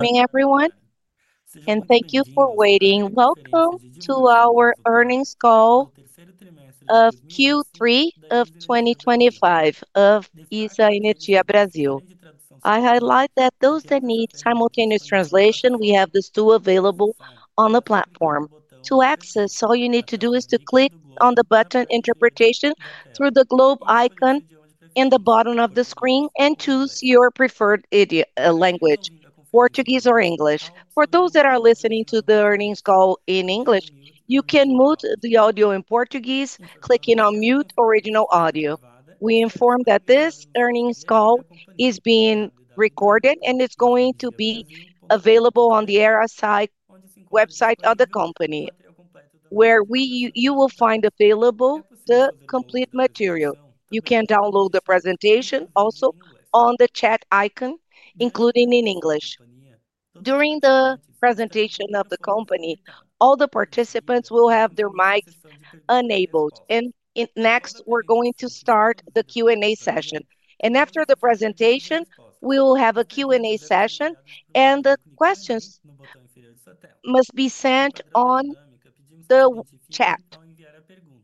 Good morning everyone and thank you for waiting. Welcome to our Earnings Call of Q3 of 2025 of ISA Energia Brasil. I highlight that those that need simultaneous translation, we have this tool available on the platform. To access, all you need to do is to click on the button interpretation through the globe icon in the bottom of the screen and choose your preferred language, Portuguese or English. For those that are listening to the earnings call in English, you can mute the audio in Portuguese by clicking on mute original audio. We inform that this earnings call is being recorded and it's going to be available on the IR site website of the company where you will find available the complete material. You can download the presentation also on the chat icon, including in English. During the presentation of the company, all the participants will have their mics enabled and next we're going to start the Q&A session and after the presentation we will have a Q&A session and the questions must be sent on the chat.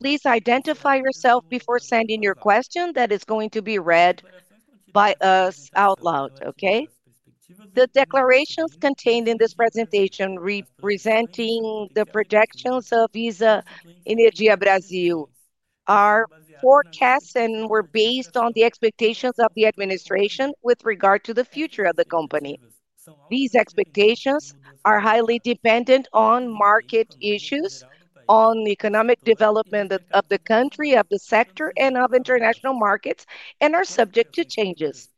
Please identify yourself before sending your question that is going to be read by us out loud. Okay? The declarations contained in this presentation representing the projections of ISA Energia Brasil are forecasts and were based on the expectations of the administration with regard to the future of the company. These expectations are highly dependent on market issues, on the economic development of the country, of the sector and of international markets and are subject to changes.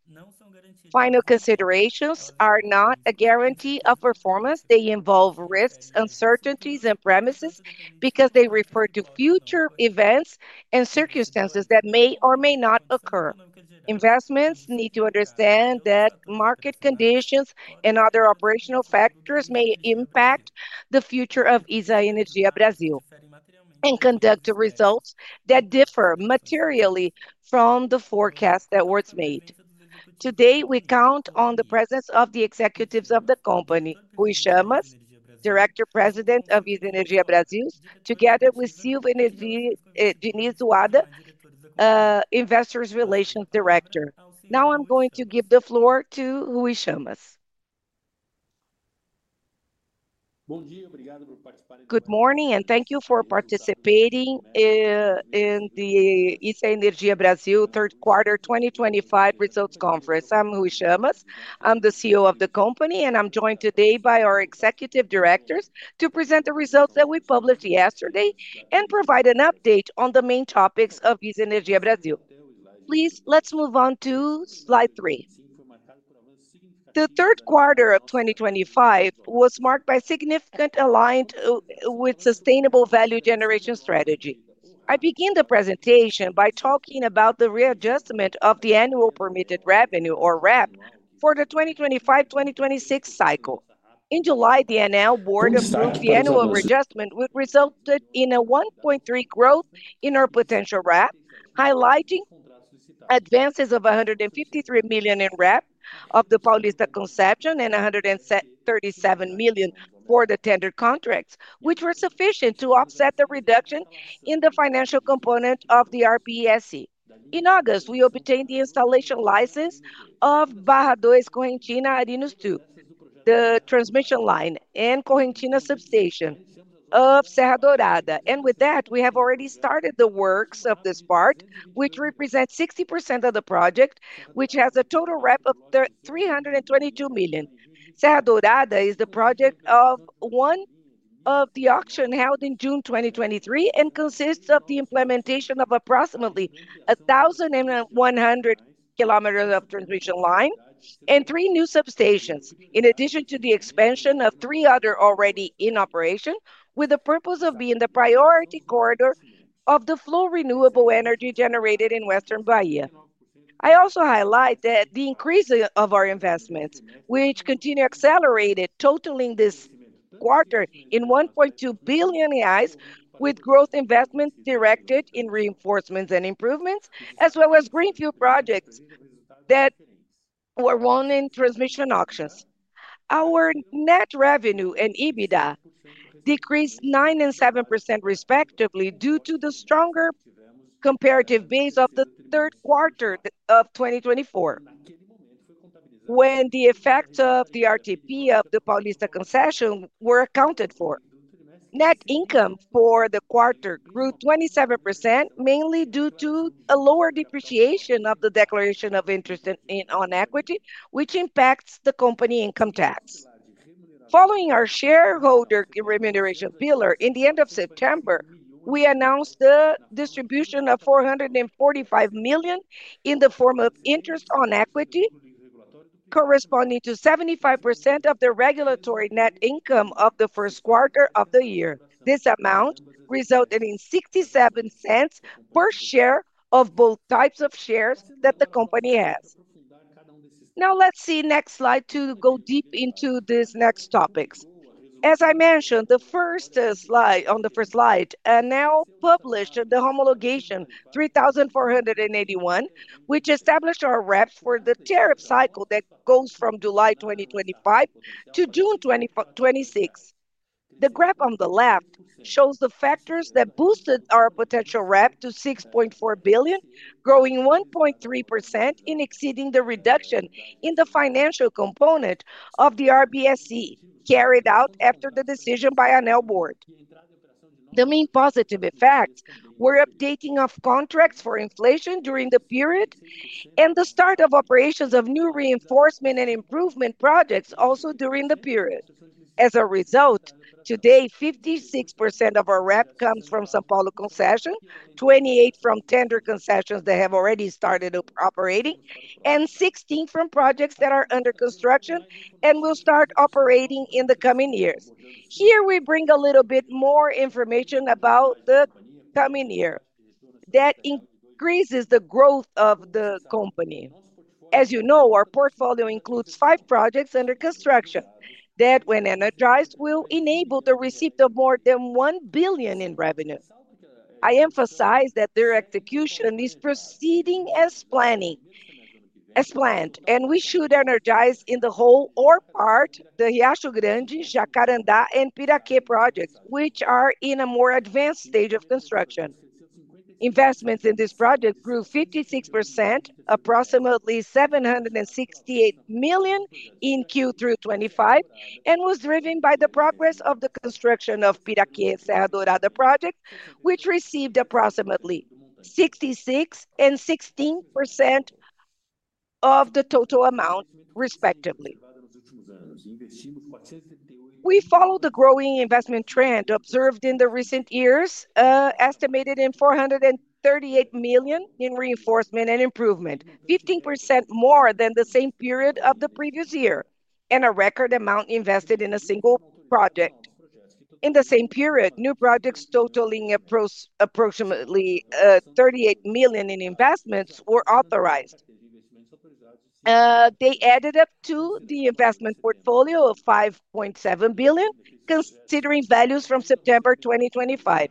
Final considerations are not a guarantee of performance. They involve risks, uncertainties and premises because they refer to future events and circumstances that may or may not occur. Investors need to understand that market conditions and other operational factors may impact the future of ISA Energia Brasil and conduct results that differ materially from the forecast that was made today. We count on the presence of the executives of the company. Rui Chammas, CEO of ISA Energia Brasil, together with Silvia Wada, Investor Relations Director. Now I'm going to give the floor to Rui Chammas. Good morning and thank you for participating in the ISA Energia Brasil third quarter 2025 results conference. I'm Rui Chammas, I'm the CEO of the company and I'm joined today by our executive directors to present the results that we published yesterday and provide an update on the main topics of ISA Energia Brasil. Please let's move on to slide three. The third quarter of 2025 was marked by significant aligned with sustainable value generation strategy. I begin the presentation by talking about the readjustment of the annual permitted revenue or RAP for the 2025-2026 cycle. In July, the Aneel Board approved the annual readjustment, which resulted in a 1.3% growth in our potential RAP, highlighting advances of $153 million in RAP of the Paulista concession and $137 million for the tender contracts, which were sufficient to offset the reduction in the financial component of the RAPSE. In August, we obtained the installation license of Barra do Esco. Gencina are the transmission line and Cogentina substation of Serra Dourada. With that, we have already started the works of this park, which represents 60% of the project, which has a total RAP of $322 million. Serra Dourada is the project of one of the auctions held in June 2023 and consists of the implementation of approximately 1,100 kilometers of transmission line and three new substations, in addition to the expansion of three others already in operation, with the purpose of being the priority corridor of the flow of renewable energy generated in western Bahia. I also highlight the increase of our investments, which continue accelerated, totaling this quarter in $1.2 billion, with growth investment directed in reinforcements and improvements as well as greenfield projects that were won in transmission auctions. Our net revenue and EBITDA decreased 9% and 7% respectively, due to the stronger comparative base of the third quarter of 2024, when the effect of the RTP of the Paulista concession were accounted for. Net income for the quarter grew 27%, mainly due to a lower depreciation of the declaration of interest on equity, which impacts the company income tax. Following our shareholder remuneration pillar, at the end of September we announced the distribution of $445 million in the form of interest on equity, corresponding to 75% of the regulatory net income of the first quarter of the year. This amount resulted in $0.67 per share of both types of shares that the company has now. Let's see next slide to go deep into these next topics. As I mentioned, on the first slide now published the Homologation 3481, which established our RAPs for the tariff cycle that goes from July 2025 to June 2026. The graph on the left shows the factors that boosted our potential RAP to $6.4 billion, growing 1.3% and exceeding the reduction in the financial component of the RBSE carried out after the decision by an Aneel Board. The main positive effects were updating of contracts for inflation during the period and the start of operations of new reinforcement and improvement projects also during the period. As a result, today 56% of our RAP comes from São Paulo Concession 28, from tender concessions that have already started operating, and 16% from projects that are under construction and will start operating in the coming years. Here we bring a little bit more information about the coming year that increases the growth of the company. As you know, our portfolio includes five projects under construction that, when energized, will enable the receipt of more than $1 billion in revenue. I emphasize that their execution is proceeding as planned and we should energize in whole or part the Riacho Grande, Agua Vermelha, Jacarandá, and Piraquê projects, which are in a more advanced stage of construction. Investments in this project grew 56%, approximately $768 million in Q3 2025, and was driven by the progress of the construction of Piraquê and Serra Dourada projects, which received approximately 66% and 16% of the total amount respectively. We follow the growing investment trend observed in recent years, estimated at $438 million in reinforcement and improvement, 15% more than the same period of the previous year and a record amount invested in a single project in the same period. New projects totaling approximately $38 million in investments were authorized. They added up to the investment portfolio of $5.7 billion, considering values from September 2025.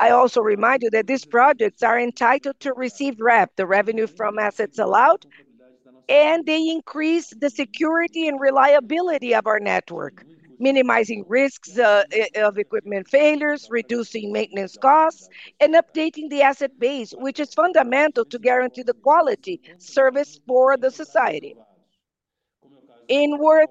I also remind you that these projects are entitled to receive RAP, the revenue from assets allowed, and they increase the security and reliability of our network, minimizing risks of equipment failures, reducing maintenance costs, and updating the asset base, which is fundamental to guarantee the quality service for society. In word,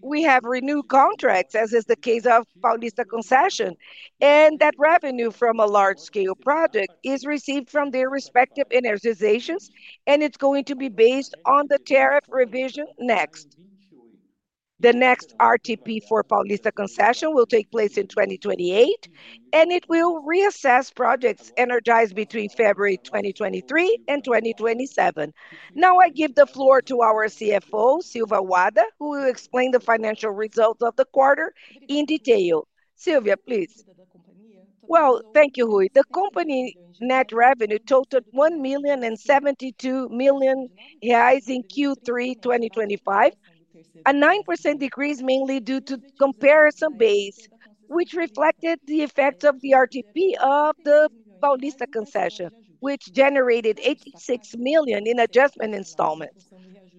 we have renewed contracts as is the case of Paulista Concession and that revenue from a large-scale project is received from their respective energizations. It's going to be based on the tariff revision next. The next RTP for Paulista Concession will take place in 2028 and it will reassess projects energized between February 2023 and 2027. Now I give the floor to our CFO Silvia Wada, who will explain the financial results of the quarter in detail. Silvia, please. Thank you, Rui. The company net revenue totaled R$1,072,000,000 in Q3 2025, a 9% decrease mainly due to comparison base which reflected the effect of the RTP of the Paulista concession, which generated R$86 million in adjustment installments.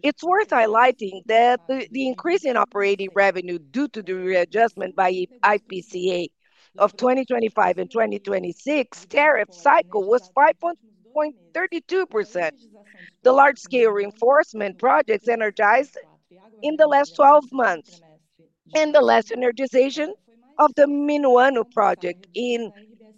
It's worth highlighting that the increase in operating revenue due to the readjustment by IPCA of the 2025 and 2026 tariff cycle was 5.32%. The large scale reinforcement projects energized in the last 12 months and the last energization of the Minuano project in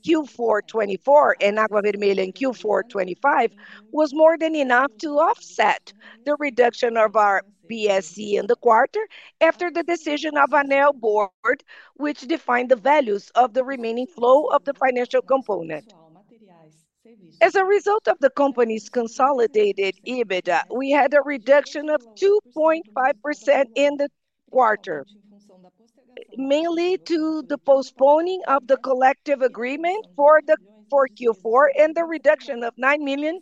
Q4 2024 and Agua Vermelha in Q4 2025 was more than enough to offset the reduction of our RAP in the quarter. After the decision of the board which defined the values of the remaining flow of component as a result of the company's consolidated EBITDA, we had a reduction of 2.5% in the quarter mainly due to the postponing of the collective agreement for the Q4 2024 and the reduction of R$9 million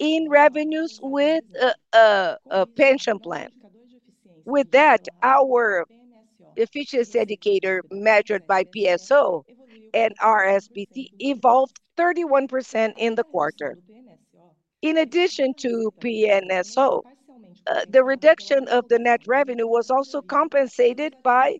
in revenues with a pension plan. With that, our efficiency indicator measured by PSO and RSBT evolved 31% in the quarter. In addition to PMSO, the reduction of the net revenue was also compensated by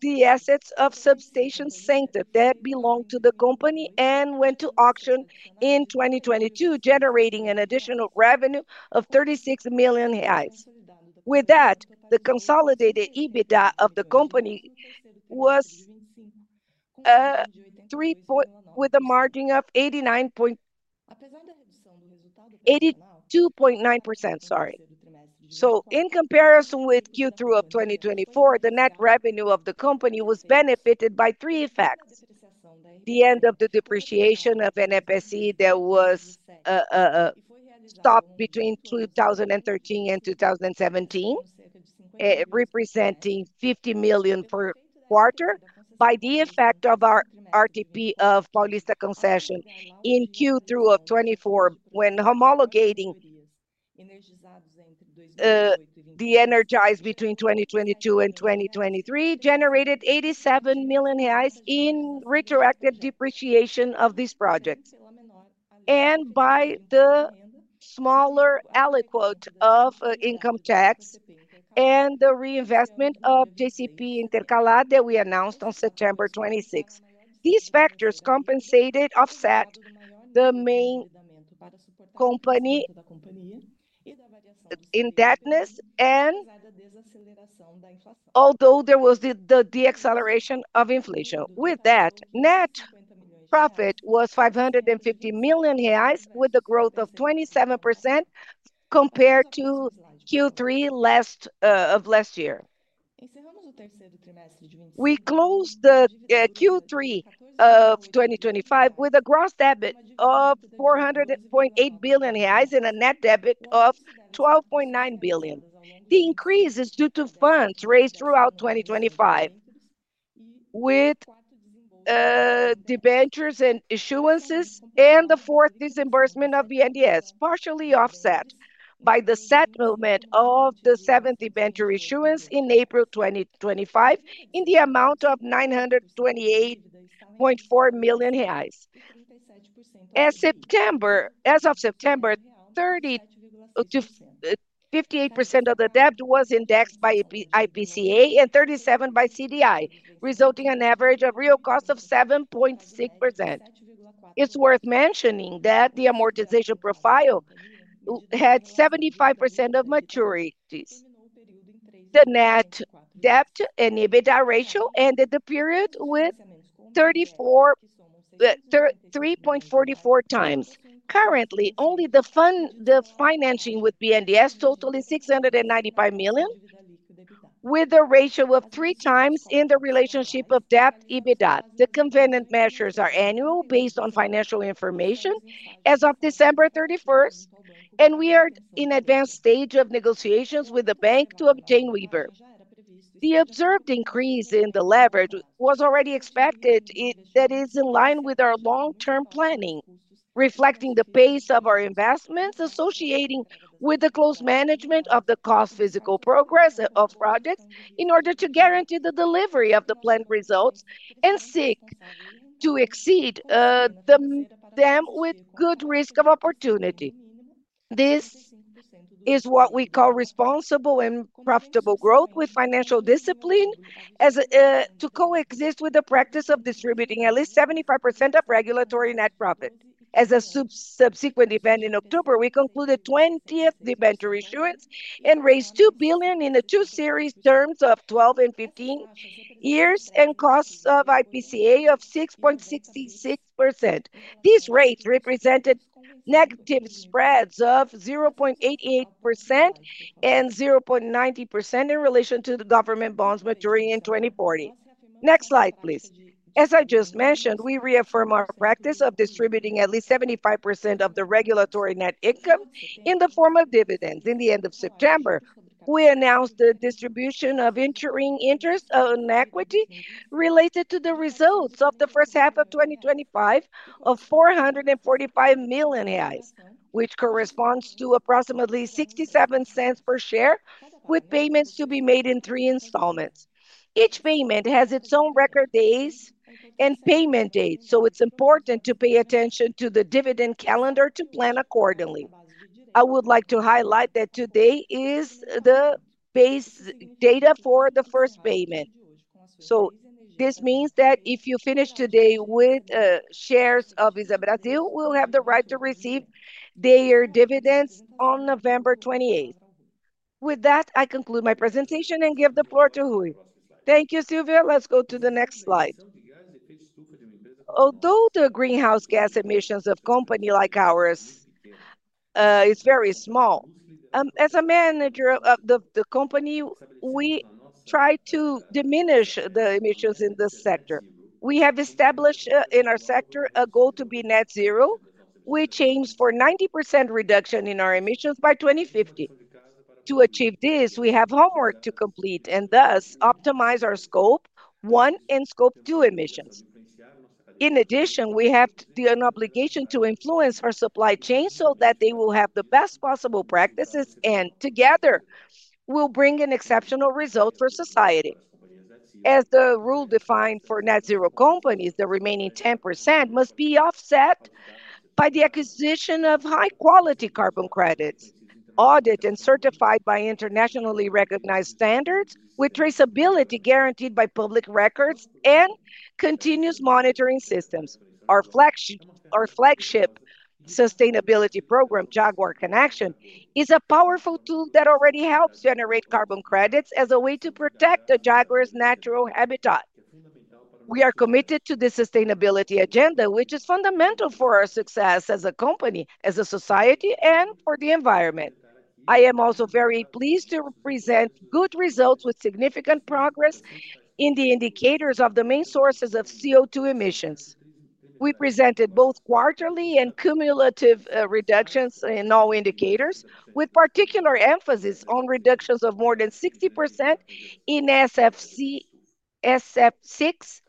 the assets of Substation Center that belonged to the company and went to auction in 2022, generating an additional revenue of R$36 million. With that, the consolidated EBITDA of the company was R$3 billion with a margin of 82.9% Sorry, so in comparison with Q3 of 2024, the net revenue of the company was benefited by three effects: the end of the depreciation of NFSE that was stopped between 2013 and 2017 representing R$50 million per quarter, by the effect of our RTP of Paulista concession in Q3 2024 when homologating the energized between 2022 and 2023 generated R$87 million in retroactive depreciation of these projects, and by the smaller aliquot of income tax and the reinvestment of JCP intercalate that we announced on September 26. These factors compensated and offset the main company indebtedness and although there was the acceleration of inflation, with that net profit was R$550 million with the growth of 27% compared to Q3 of last year. We closed Q3 2025 with a gross debt of R$400.8 billion and a net debt of R$12.9 billion. The increase is due to funds raised throughout 2025 with debentures and issuances and the fourth disbursement of BNDS, partially offset by the settlement movement of the seventh debenture issuance in April 2025 in the amount of R$928.4 million as of September. As of September 30, 58% of the debt was indexed by IPCA and 37% by CDI, resulting in an average real cost of 7.6%. It's worth mentioning that the amortization profile had 75% of maturities. The net debt/EBITDA ratio ended the period at 3.44 times. Currently, only the fund, the financing with BNDS total is R$695 million with a ratio of 3 times in the relationship of debt/EBITDA. The covenant measures are annual, based on financial information as of December 31, and we are in an advanced stage of negotiations with the bank to obtain waiver. The observed increase in the leverage was already expected. That is in line with our long-term planning, reflecting the pace of our investments, associated with the close management of the cost and physical progress of projects in order to guarantee the delivery of the planned results and seek to exceed them with good risk of opportunity. This is what we call responsible and profitable growth with financial discipline to coexist with the practice of distributing at least 75% of regulatory net profit. As a subsequent event, in October we concluded the 20th debenture issuance and raised R$2 billion in the two series, terms of 12 and 15 years, and costs of IPCA of 6.66%. These rates represented negative spreads of 0.88% and 0.90% in relation to the government bonds maturing in 2040. Next slide, please. As I just mentioned, we reaffirm our practice of distributing at least 75% of the regulatory net income in the form of dividends. At the end of September, we announced the distribution of interest on equity related to the results of the first half of 2025 of R$445 million, which corresponds to approximately R$0.67 per share, with payments to be made in three installments. Each payment has its own record days and payment dates, so it's important to pay attention to the dividend calendar to plan accordingly. I would like to highlight that today is the base date for the first payment. This means that if you finish today with shares of ISA Energia Brasil, you'll have the right to receive their dividends on November 28. With that, I conclude my presentation and give the floor to Rui. Thank you, Silvia. Let's go to the next slide. Although the greenhouse gas emissions of a company like ours is very small, as a manager of the company we try to diminish the emissions in this sector. We have established in our sector a goal to be net zero, which aims for 90% reduction in our emissions by 2050. To achieve this, we have homework to complete and thus optimize our scope 1 and scope 2 emissions. In addition, we have an obligation to influence our supply chain so that they will have the best possible practices and together will bring an exceptional result for society. As the rule defined for net zero companies, the remaining 10% must be offset by the acquisition of high quality carbon credits, audit and certified by internationally recognized standards with traceability guaranteed by public records and continuous monitoring systems. Our flagship sustainability program, Jaguar Connection, is a powerful tool that already helps generate carbon credits as a way to protect the jaguar's natural habitat. We are committed to the sustainability agenda which is fundamental for our success as a company, as a society and for the environment. I am also very pleased to present good results with significant progress in the indicators of the main sources of CO2 emissions. We presented both quarterly and cumulative reductions in all indicators, with particular emphasis on reductions of more than 60% in SF6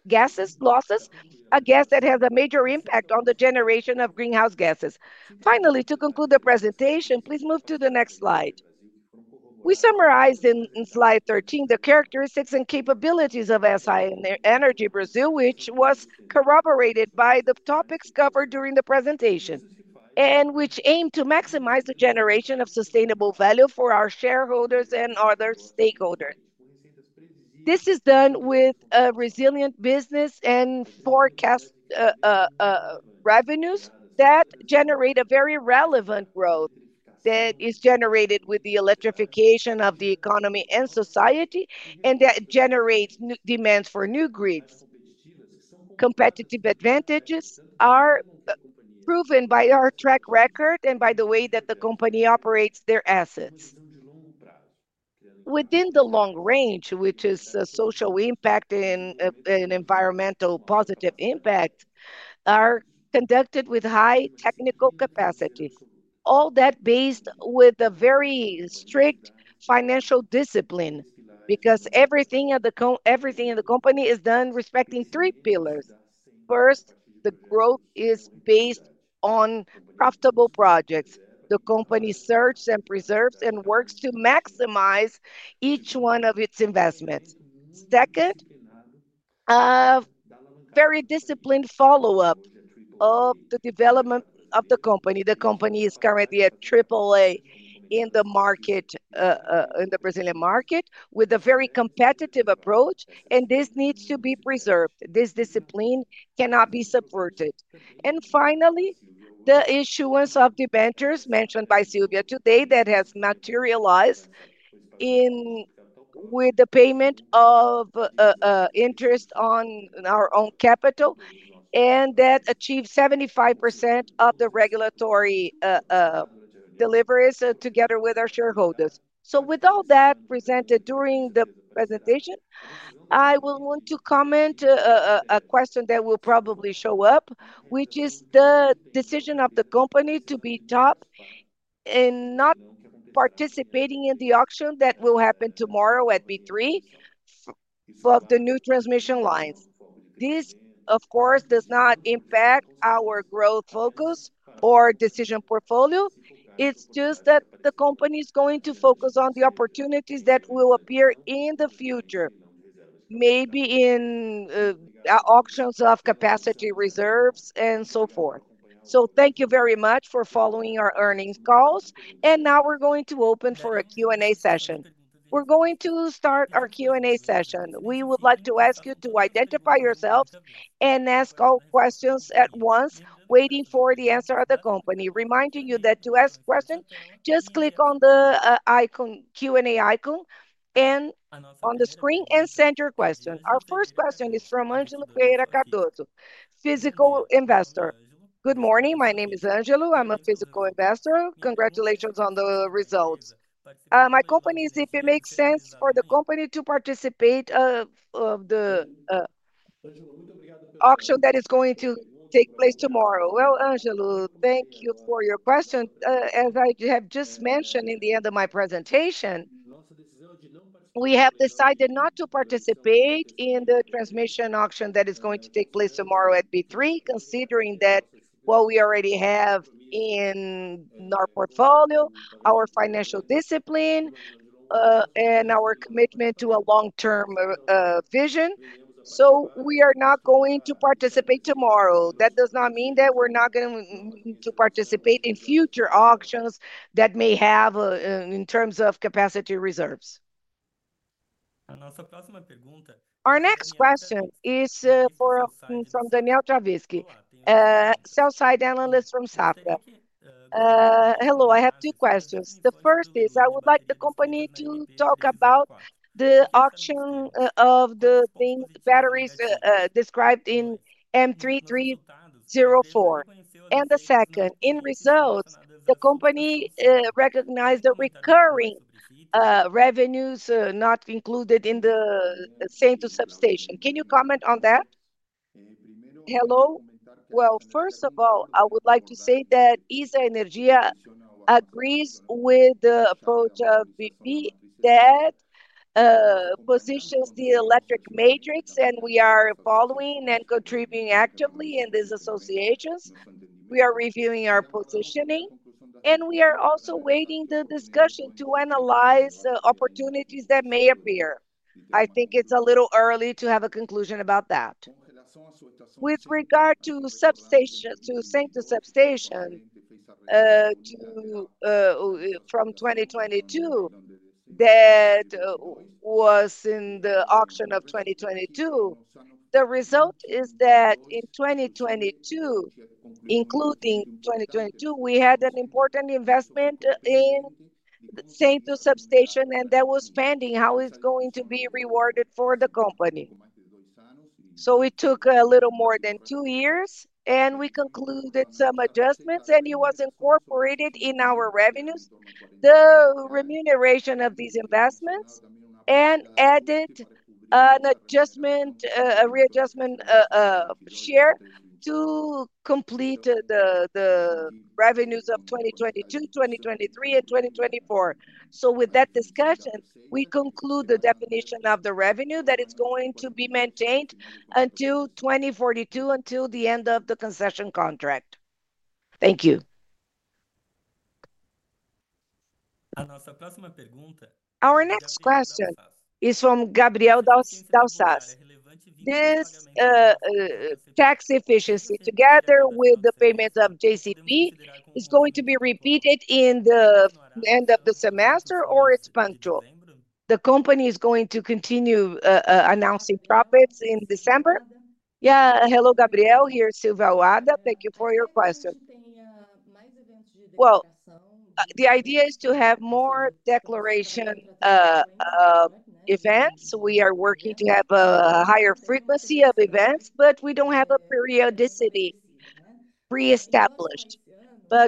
gases losses, a gas that has a major impact on the generation of greenhouse gases. Finally, to conclude the presentation, please move to the next slide. We summarized in Slide 13 the characteristics and capabilities of ISA Energia Brasil, which was corroborated by the topics covered during the presentation and which aim to maximize the generation of sustainable value for our shareholders and other stakeholders. This is done with a resilient business and forecast revenues that generate a very relevant growth that is generated with the electrification of the economy and society and that generates demands for new grids. Competitive advantages are proven by our track record and by the way that the company operates their assets within the long range, which is social impact in an environmental. Positive impact are conducted with high technical capacity. All that based with a very strict financial discipline because everything in the company is done respecting three pillars. First, the growth is based on profitable projects. The company searches and preserves and works to maximize each one of its investments. Second, very disciplined follow up of the development of the company. The company is currently at AAA in the market, in the Brazilian market with a very competitive approach, and this needs to be preserved. This discipline cannot be supported. Finally, the issuance of debentures mentioned by Silvia today that has materialized with the payment of interest on our own capital and that achieved 75% of the regulatory deliveries together with our shareholders. With all that presented during the presentation, I want to comment on a question that will probably show up, which is the decision of the company to be top and not participating in the auction that will happen tomorrow at B3 for the new transmission lines. This, of course, does not impact our growth focus or decision portfolio. It's just that the company is going to focus on the opportunities that will appear in the future, maybe in auctions of capacity reserves and so forth. Thank you very much for following our earnings calls, and now we're going to open for a Q and A session. We're going to start our Q and A session. We would like to ask you to identify yourselves and ask all questions at once, waiting for the answer of the company, reminding you that to ask questions just click on the Q and A icon on the screen and send your question. Our first question is from Angelo, physical investor. Good morning. My name is Angelo, I'm a physical investor. Congratulations on the results. My question is if it makes sense for the company to participate in the auction that is going to take place tomorrow. Thank you for your question. As I have just mentioned at the end of my presentation, we have decided not to participate in the transmission auction that is going to take place tomorrow at B3, considering what we already have in our portfolio, our financial discipline, and our commitment to a long-term vision. We are not going to participate tomorrow. That does not mean that we're not going to participate in future auctions that may have in terms of capacity reserves. Our next question is from Daniel Travitzky, sell side analyst from J. Safra Corretora de Valores e Câmbio Ltda. Hello. I have two questions. The first is I would like the company to talk about the auction of the batteries described in M3304, and the second, in results the company recognized the recurring revenues not included in the same to substation. Can you comment on that? Hello. First of all, I would like to say that ISA Energia Brasil agrees with the approach of BP that positions the electric matrix, and we are following and contributing actively in these associations. We are reviewing our positioning, and we are also waiting for the discussion to analyze opportunities that may appear. I think it's a little early to have a conclusion about that. With regard to substation to substation from 2022 that was in the auction of 2022, the result is that in 2022, including 2022, we had an important investment in the St. Louis substation, and that was spending how it's going to be rewarded for the company. It took a little more than two years, and we concluded some adjustments, and it was included, incorporated in our revenues, the remuneration of these investments, and added an adjustment, a readjustment share to complete the revenues of 2022, 2023, and 2024. With that discussion, we conclude the definition of the revenue that is going to be maintained until 2042, until the end of the concession contract. Thank you. Our next question is from Gabriel Dulcas. This tax efficiency together with the payments of interest on equity is going to be repeated in the end of the semester, or it's punctual, the company is going to continue announcing profits in December. Yeah, hello, Gabriel here. Silvia Wada. Thank you for your question. The idea is to have more declaration events. We are working to have a higher frequency of events, but we don't have a periodicity re-established.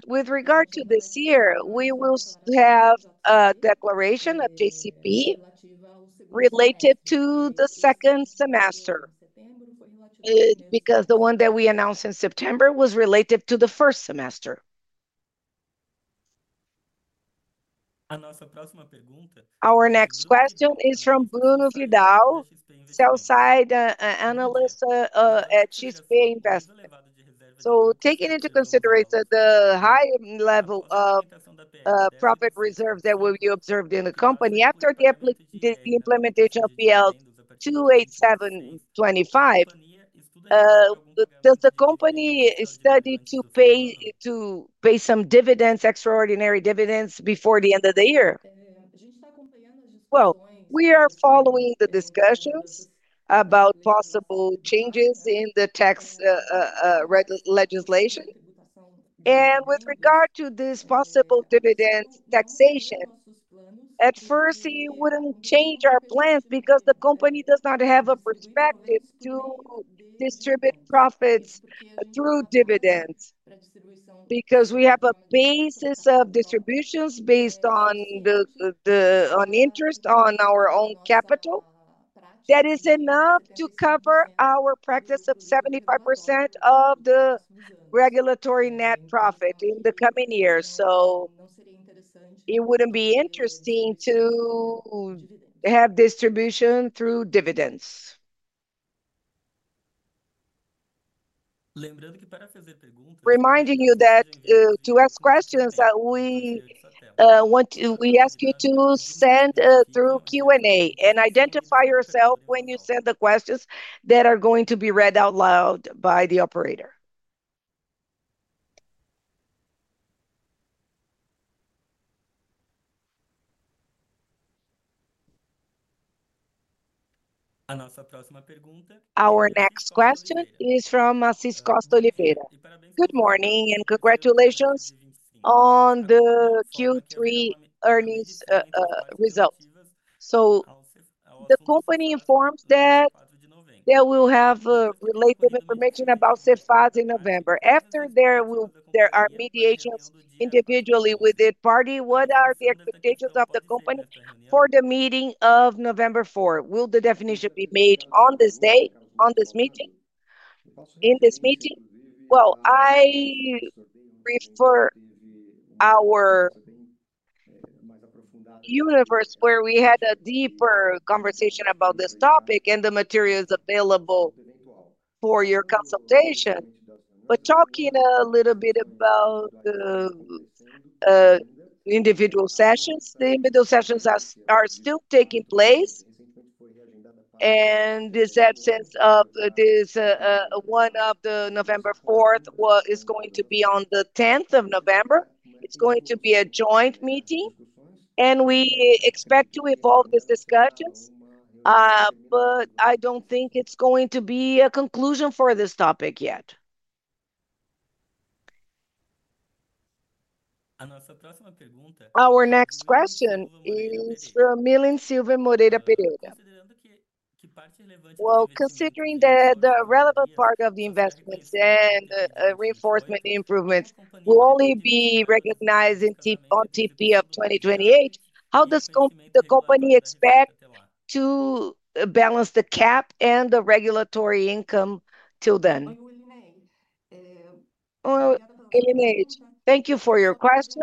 With regard to this year, we will have a declaration of interest on equity related to the second semester because the one that we announced in September was related to the first semester. Our next question is from Bruno Vidal, sell-side analyst at Cheesebury Investment. Taking into consideration the higher level of profit reserves that will be observed in the company after the implementation of PL 28725, does the company study to pay some dividends, extraordinary dividends before the end of the year? We are following the discussions about possible changes in the tax legislation, and with regard to this possible dividend taxation, at first it wouldn't change our plans because the company does not have a perspective to distribute profits through dividends because we have a basis of distributions based on interest on our own capital. That is enough to cover our practice of spending 75% of the regulatory net profit in the coming years. It wouldn't be interesting to have distribution through dividends. Reminding you that to ask questions that we want, we ask you to send through Q and A and identify yourself when you send the questions that are going to be read out loud by the operator. Our next question is from. Good morning and congratulations on the Q3 earnings results. The company informs that they will have related information about CEFAS in November after there are mediations individually with the party. What are the expectations of the company for the meeting of November 4? Will the definition be made on this day, in this meeting? I prefer our universe where we had a deeper conversation about this topic and the materials available for your consultation. Talking a little bit about individual sessions, the individual sessions are still taking place and this absence of this one of the November 4 is going to be on the 10th of November. It's going to be a joint meeting and we expect to evolve these discussions. I don't think it's going to be a conclusion for this topic yet. Our next question is. Considering that the relevant part of the investments and reinforcement improvements will only be recognized on TP of 2028, how does the company expect to balance the cap and the regulatory income till then? Thank you for your question.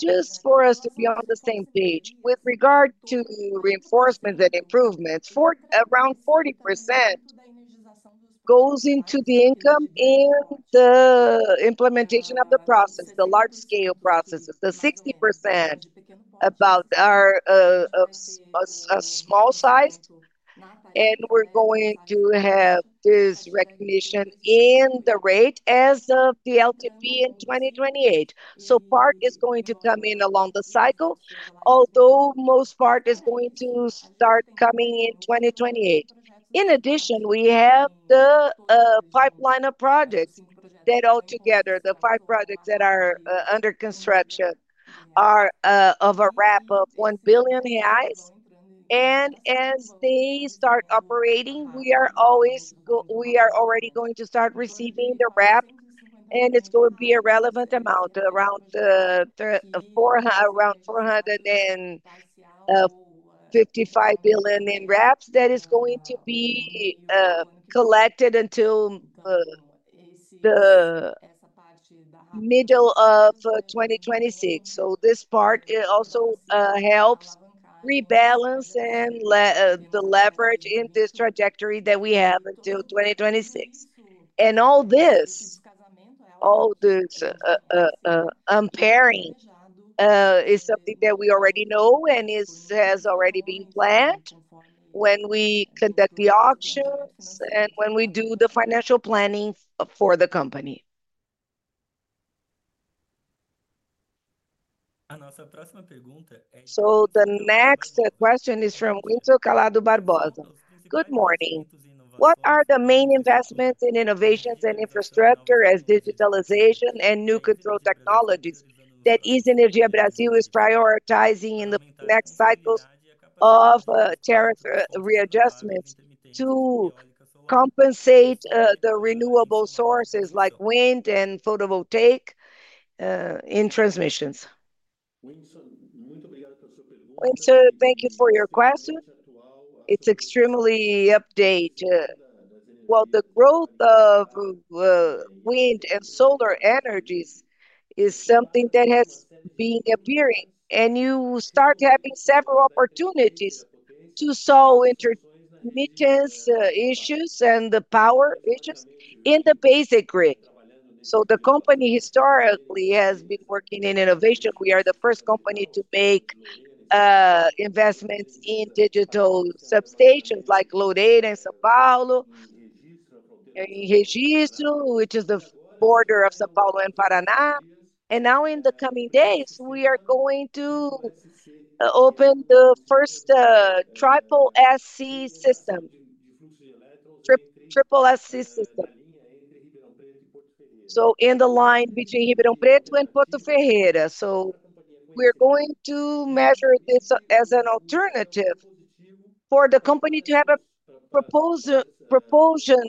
Just for us to be on the same page with regard to reinforcements and improvements, for around 40% goes into the income and the implementation of the process. The large scale processes, the 60% about are a small size. We're going to have this recognition in the rate as of the LTP in 2028. Part is going to come in along the cycle, although most part is going to start coming in 2028. In addition, we have the pipeline of projects that all together the five projects that are under construction are of a RAP of 1 billion reais and as they start operating, we are already going to start receiving the RAP and it's going to be a relevant amount, around 455 million in RAPs that is going to be collected until the middle of 2026. This part also helps rebalance and the leverage in this trajectory that we have until 2026. All this unpairing is something that we already know and has already been planned when we conduct the auctions and when we do the financial planning for the company. The next question is from Winso Calado Barboza. Good morning. What are the main investments in innovations and infrastructure as digitalization and new control technologies that ISA Energia Brasil is prioritizing in the next cycles of tariff readjustments to compensate the renewable sources like wind and photovoltaic in transmissions? Thank you for your question. It's extremely updated. The growth of wind and solar energies is something that has been appearing and you start having several opportunities to solve issues and the power issues in the basic grid. The company historically has been working in innovation. We are the first company to make investments in digital substations like Loreira and São Paulo, which is the border of São Paulo and Paraná. In the coming days we are going to open the first triple SC system. Triple SC system in the line between Ribeirão Preto and Porto Ferreira. We are going to measure this as an alternative for the company to have a proposal proposition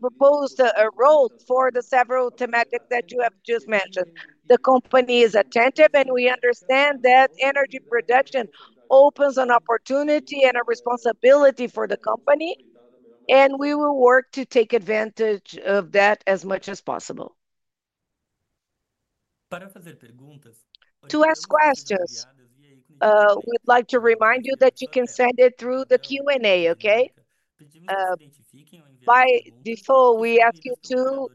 proposed a role for the several thematic that you have just mentioned. The company is attentive and we understand that energy production opens an opportunity and a responsibility for the company. We will work to take advantage of that as much as possible to ask questions. We'd like to remind you that you can send it through the Q&A. By default we ask you to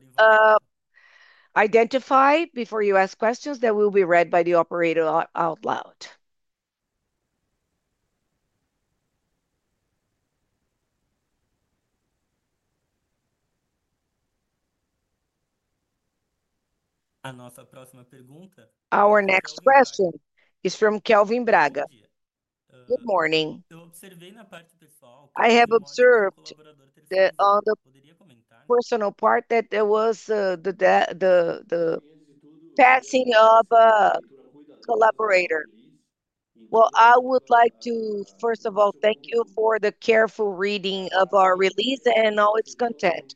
identify before you ask questions that will be read by the operator out loud. Our next question is from Kelvin Braga. Good morning. I have observed that on the personal part that there was the passing of collaborator. I would like to first of all thank you for the careful reading of our release and all its content.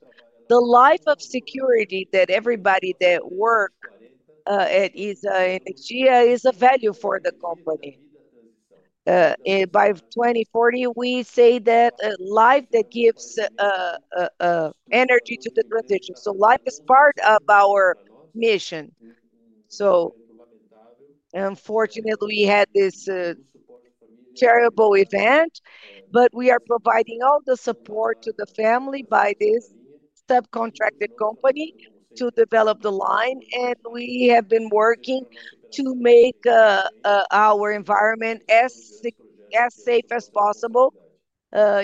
The life of security that everybody that work is a value for the company by 2040. We say that life that gives energy to the British. Life is part of our mission. Unfortunately we had this terrible event. We are providing all the support to the family by this subcontracted company to develop the line. We have been working to make our environment as safe as possible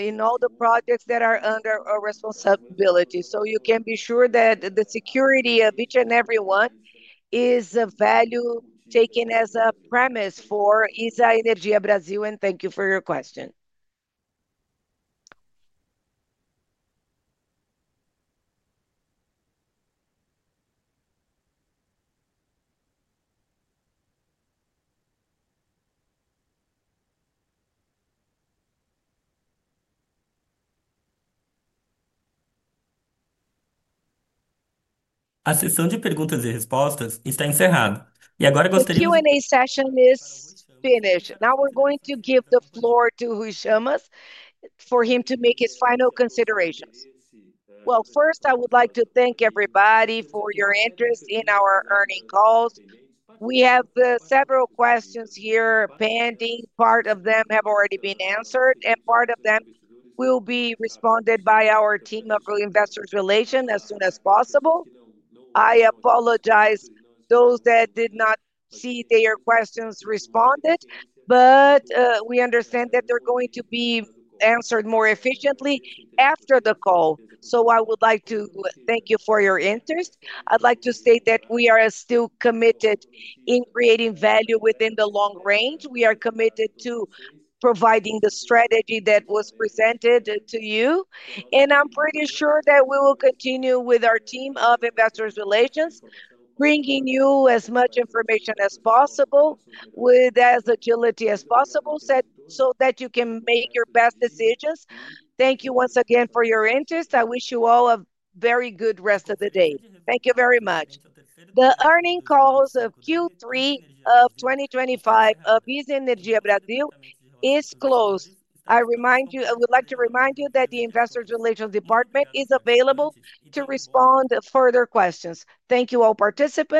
in all the projects that are under our responsibility. You can be sure that the security of each and everyone is a value taken as a premise for ISA Energia Brasil. Thank you for your question. Q&A session is now we're going to give the floor to Rui Chammas for him to make his final considerations. First I would like to thank everybody for your interest in our earning calls. We have several questions here pending. Part of them have already been answered and part of them will be responded by our team of Investor Relations as soon as possible. I apologize to those that did not see their questions responded, but we understand that they're going to be answered more efficiently after the call. I would like to thank you for your interest. I'd like to say that we are still committed in creating value within the long range. We are committed to providing the strategy that was presented to you. I'm pretty sure that we will continue with our team of Investor Relations bringing you as much information as possible with as much agility as possible so that you can make your best decisions. Thank you once again for your interest. I wish you all a very good rest of the day. Thank you very much. The earnings call of Q3 of 2025 of ISA Energia Brasil is closed. I would like to remind you that the Investor Relations department is available to respond to further questions. Thank you, all participants.